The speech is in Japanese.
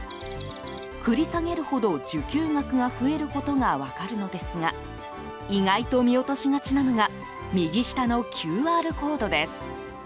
繰り下げるほど、受給額が増えることが分かるのですが意外と見落としがちなのが右下のＱＲコードです。